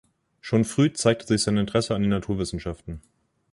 Schon früh zeigte sich sein Interesse an den Naturwissenschaften.